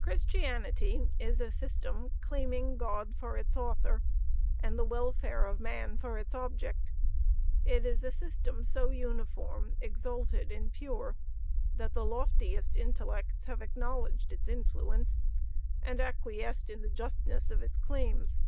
"Christianity is a system claiming God for its author, and the welfare of man for its object. It is a system so uniform, exalted and pure, that the loftiest intellects have acknowledged its influence, and acquiesced in the justness of its claims.